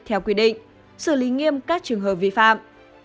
theo quy định xử lý nghiêm các trường hợp vi phạm